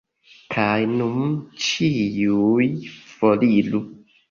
Kaj nun ĉiuj foriru.